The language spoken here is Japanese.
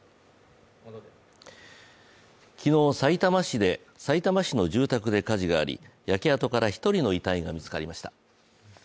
昨日、さいたま市の住宅で火事があり焼け跡から１人の遺体が見つかりました。